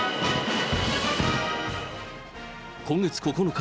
今月９日